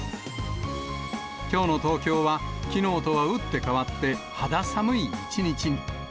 きょうの東京は、きのうとは打って変わって肌寒い一日に。